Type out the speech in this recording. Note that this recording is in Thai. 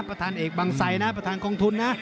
ประธานเอกบังไซนะประธานกองทุนนะ